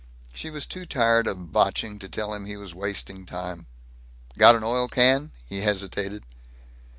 She was too tired of botching to tell him he was wasting time. "Got an oil can?" he hesitated.